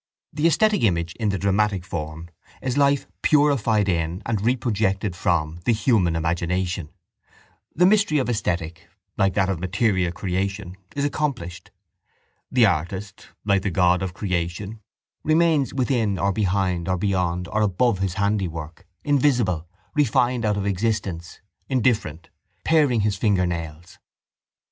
The esthetic image in the dramatic form is life purified in and reprojected from the human imagination. The mystery of esthetic, like that of material creation, is accomplished. The artist, like the God of creation, remains within or behind or beyond or above his handiwork, invisible, refined out of existence, indifferent, paring his fingernails.